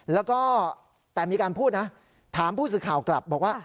แล้วก็แต่มีการพูดนะถามผู้สื่อข่าวกลับบอกว่า